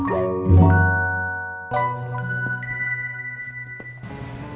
tidak ada apa apa